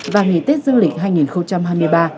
và nghỉ tết dương lịch hai nghìn hai mươi ba